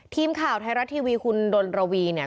ทีมข่าวไทยรัฐทีวีคุณดนระวีเนี่ย